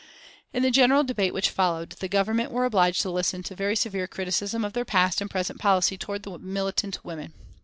In the general debate which followed the Government were obliged to listen to very severe criticisms of their past and present policy towards the militant women.